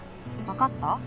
わかった？